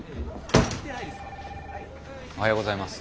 おはようございます。